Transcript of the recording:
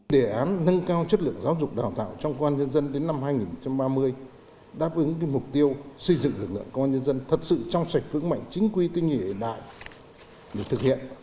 đề án nâng cao chất lượng giáo dục đào tạo trong công an nhân dân đến năm hai nghìn ba mươi đáp ứng mục tiêu xây dựng lực lượng công an nhân dân thật sự trong sạch vững mạnh chính quy tinh nhiệm hiện đại được thực hiện